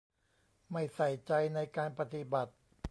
ไม่ใส่ใจในการปฏิบัติ